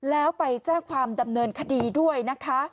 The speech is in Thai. แล้วไปแจ้งความดำเนินคดีด้วยนะคะ